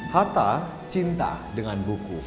hatta cinta dengan buku